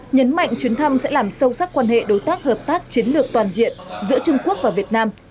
nhấn mạnh chuyến thăm sẽ làm sâu sắc quan hệ đối tác hợp tác chiến lược toàn diện giữa trung quốc và việt nam